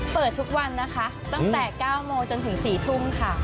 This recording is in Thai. เปิดทุกวันนะคะตั้งแต่๙โมงจนถึง๔ทุ่มค่ะ